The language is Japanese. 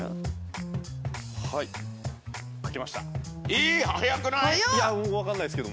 え早くない！？